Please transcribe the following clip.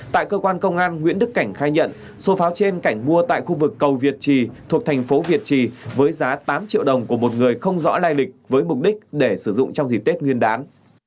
tại cơ quan công an nguyễn đức cảnh khai nhận số pháo trên cảnh mua tại khu vực cầu việt trì thuộc thành phố việt trì với giá tám triệu đồng của một người không rõ lai lịch với mục đích để sử dụng trong dịp tết nguyên đán